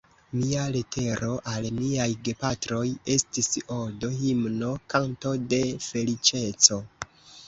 Mia letero al miaj gepatroj estis odo, himno, kanto de feliĉeco.